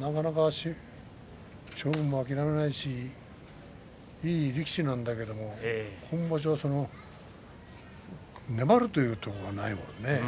なかなか勝負を諦めないしいい力士なんだけど今場所粘るというところはないね。